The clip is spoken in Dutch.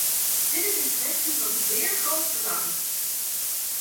Dit is een kwestie van zeer groot belang.